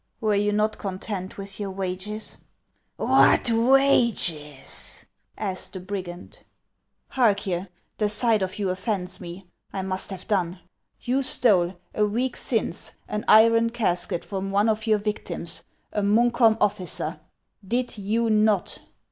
" Were you not content with your wages ?"" What wages ?" asked the brigand. " Hark ye ; the sight of you offends me ; I must have done. You stole, a week since, an iron casket from one of your victims, a Munkholm officer, did you not